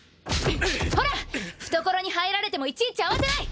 ほら懐に入られてもいちいち慌てない！